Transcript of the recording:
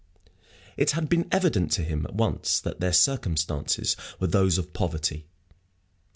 It had been evident to him at once that their circumstances were those of poverty.